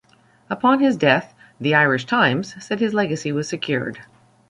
Upon his death "The Irish Times" said his legacy was secured.